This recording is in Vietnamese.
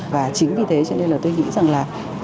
và chính vì thế cho nên là tôi nghĩ rằng là